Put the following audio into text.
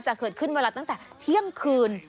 จะเกิดขึ้นเวลาตั้งแต่เที่ยงคืน